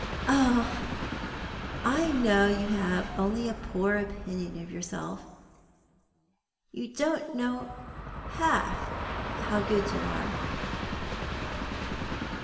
" Ah, I know you have only a poor opinion of yourself, you don't half know how good you are."